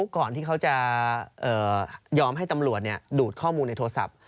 ก่อนที่เขาจะยอมให้ตำรวจดูดข้อมูลในโทรศัพท์